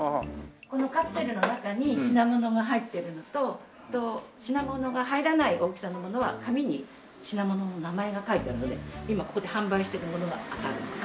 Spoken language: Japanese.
このカプセルの中に品物が入ってるのと品物が入らない大きさのものは紙に品物の名前が書いてあるので今ここで販売してるものが当たる。